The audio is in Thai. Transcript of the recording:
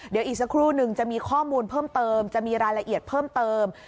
เดี๋ยวอีกสักครู่นึงจะมีข้อมูลเพิ่มเติมจะมีรายละเอียดเพิ่มเติม